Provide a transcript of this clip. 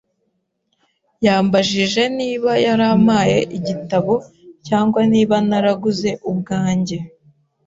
Yambajije niba yarampaye igitabo, cyangwa niba naraguze ubwanjye.